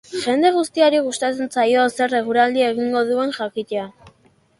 Jende guztiari gustatzen zaio zer eguraldi egingo duen jakitea.